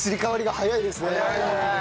早いですね。